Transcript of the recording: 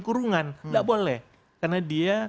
kurungan tidak boleh karena dia